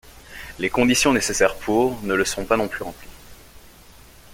Les conditions nécessaires pour le ne sont pas non plus remplies.